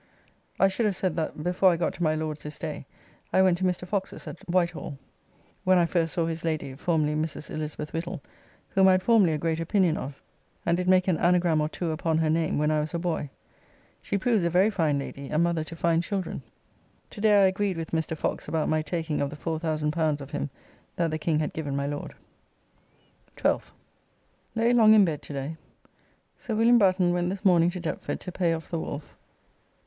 I should have said that before I got to my Lord's this day I went to Mr. Fox's at Whitehall, when I first saw his lady, formerly Mrs. Elizabeth Whittle, whom I had formerly a great opinion of, and did make an anagram or two upon her name when I was a boy. She proves a very fine lady, and mother to fine children. To day I agreed with Mr. Fox about my taking of the; L4000 of him that the King had given my Lord. 12th. Lay long in bed to day. Sir Wm. Batten went this morning to Deptford to pay off the Wolf.